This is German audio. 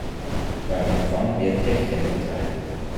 Beim Empfang werden Häppchen verteilt.